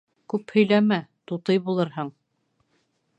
Күп һөйләмә: тутый булырһың.